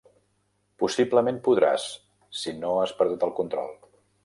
Possiblement podràs, si no has perdut el control.